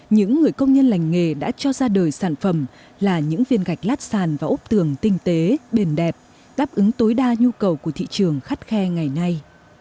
những người công nhân lành nghề đã cho ra đời sản phẩm là những viên gạch lát sàn và ốc tường tinh tế bền đẹp đáp ứng tối đa nhu cầu của thị trường khắt khe ngày nay